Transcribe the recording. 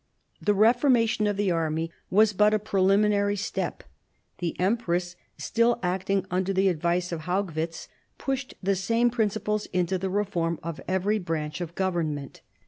The reformation of the army was but a preliminary step. The empress, still acting under the advice of \^ Haugwitz, pushed the same principles into the reform of every branch of the government.